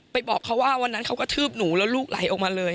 บอกเขาว่าวันนั้นเขากระทืบหนูแล้วลูกไหลออกมาเลย